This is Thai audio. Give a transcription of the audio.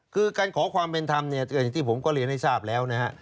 คือการขอความเป็นธรรมเนี่ยอย่างที่ผมก็เรียนให้ทราบแล้วนะฮะ